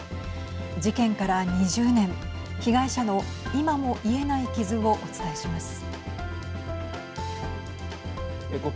事件から２０年被害者の今も癒えない傷をお伝えします。